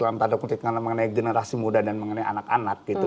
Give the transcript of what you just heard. lantar lantar mengenai generasi muda dan mengenai anak anak gitu